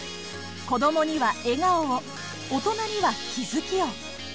子どもには笑顔を大人には気づきを。